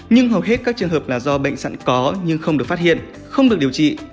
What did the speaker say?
nhưng hầu hết các trường hợp là do bệnh sẵn có nhưng không được phát hiện không được điều trị